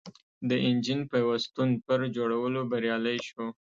د انجن پېسټون پر جوړولو بریالی شو.